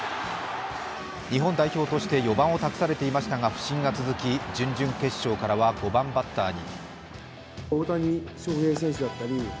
日本代表として４番を託されていましたが不振が続き準々決勝からは５番バッターに。